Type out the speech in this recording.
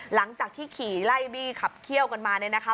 หลังจากที่ขี่ไล่บี้ขับเขี้ยวกันมาเนี่ยนะคะ